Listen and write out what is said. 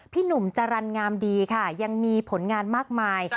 พี่หนุ่มจรรย์งามดีค่ะยังมีผลงานมากมาย